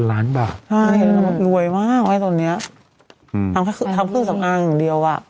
ใช่ฮิลลักษณ์มารวยมากไว้ตรงนี้ทำผู้สำอางอย่างเดียวอะ